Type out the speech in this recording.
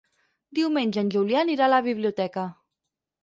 Diumenge en Julià anirà a la biblioteca.